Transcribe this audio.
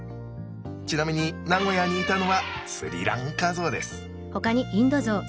ちなみに名古屋にいたのはスリランカゾウです。